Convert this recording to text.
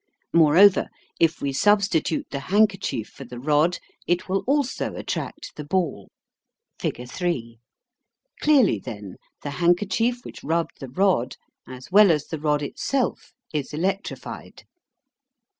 Moreover, if we substitute the handkerchief for the rod it will also attract the ball (fig. 3). Clearly, then, the handkerchief which rubbed the rod as well as the rod itself is electrified.